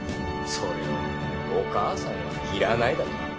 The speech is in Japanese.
それをお母さんはいらないだと？